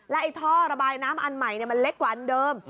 ไอ้ท่อระบายน้ำอันใหม่มันเล็กกว่าอันเดิม